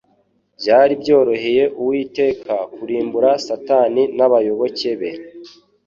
Byari byoroheye Uwiteka kurimbura Satani n'abayoboke be